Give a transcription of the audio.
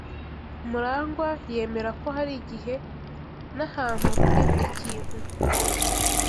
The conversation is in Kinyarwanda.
MuragwA yemera ko hari igihe nahantu kuri buri kintu.